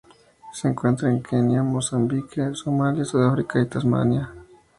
Se encuentra en Kenia Mozambique Somalia, Sudáfrica y Tanzania.